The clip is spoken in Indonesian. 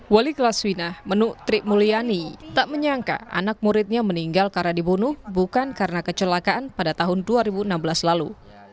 wali kelas winah menuk tri mulyani tak menyangka anak muridnya meninggal karena dibunuh bukan karena kecelakaan pada tahun dua ribu enam belas lalu